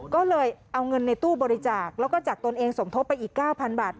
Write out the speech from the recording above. ก็เลยเอาเงินในตู้บริจาคแล้วก็จากตนเองสมทบไปอีก๙๐๐บาท